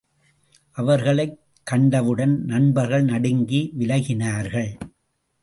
அவர்களைக் கண்டவுடன் நண்பர்கள் நடுங்கி விலகினார்கள்.